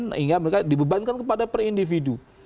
sehingga mereka dibebankan kepada per individu